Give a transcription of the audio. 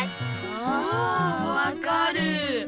あわかる！